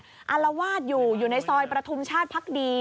อารวาสอยู่อยู่ในซอยประทุมชาติพักดี